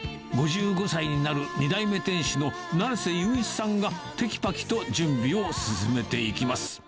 ５５歳になる２代目店主の成瀬雄一さんがてきぱきと準備を進めていきます。